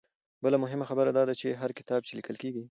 بله مهمه خبره دا ده چې هر کتاب چې ليکل کيږي